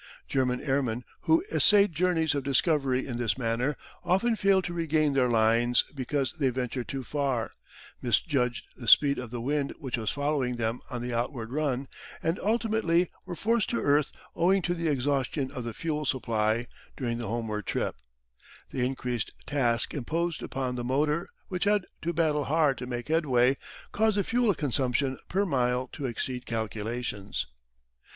German airmen who essayed journeys of discovery in this manner, often failed to regain their lines because they ventured too far, misjudged the speed of the wind which was following them on the outward run, and ultimately were forced to earth owing to the exhaustion of the fuel supply during the homeward trip; the increased task imposed upon the motor, which had to battle hard to make headway, caused the fuel consumption per mile to exceed calculations.